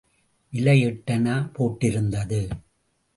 விலை எட்டணா போட்டிருந்தது.